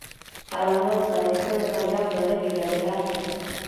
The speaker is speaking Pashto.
قلموال صاحب ته د پنجاب له غېږې راجلا شه.